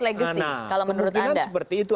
legacy kalau menurut anda nah kemungkinan seperti itu